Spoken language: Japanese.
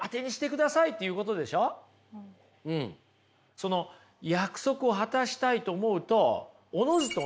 その約束を果たしたいと思うとおのずとね